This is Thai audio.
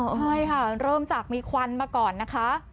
ใช่ค่ะเริ่มจากมีควันมาก่อนนะคะ